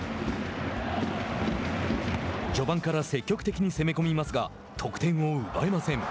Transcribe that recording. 序盤から積極的に攻め込みますが得点を奪えません。